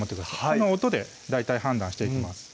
この音で大体判断していきます